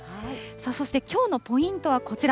そしてきょうのポイントはこちら。